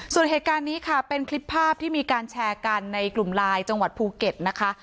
ส่วนเหตุการณ์นี้ค่ะเป็นคลิปภาพที่มีการแชร์กันในกลุ่มไลน์จังหวัดภูเก็ตนะคะ